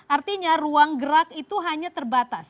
artinya ruang gerak itu hanya terbatas